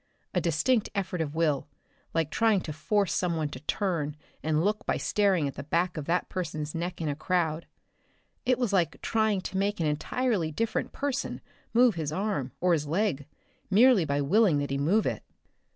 A distinct effort of will, like trying to force someone to turn and look by staring at the back of that someone's neck in a crowd. It was like trying to make an entirely different person move his arm, or his leg, merely by willing that he move it.